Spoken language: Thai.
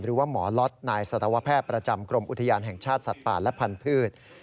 หรือว่าหมอล็อตนายสัตวแพทย์ประจำกรมอุทยานแห่งชาติสัตว์ป่าและพันธุ์